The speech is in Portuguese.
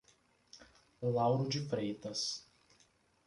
Lauro de Freitas